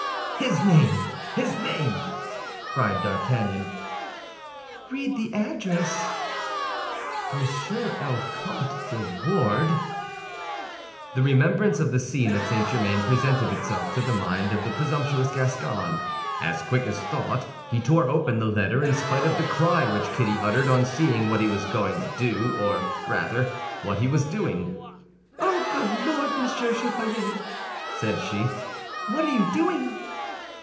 "His name; his name!" cried D'Artagnan. "Read the address." "Monsieur El Comte de Wardes." The remembrance of the scene at St. Germain presented itself to the mind of the presumptuous Gascon. As quick as thought, he tore open the letter, in spite of the cry which Kitty uttered on seeing what he was going to do, or rather, what he was doing. "Oh, good Lord, Monsieur Chevalier," said she, "what are you doing?"